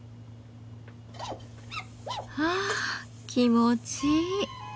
はぁ気持ちいい。